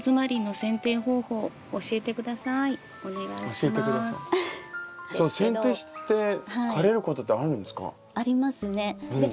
せん定して枯れることってあるんですか？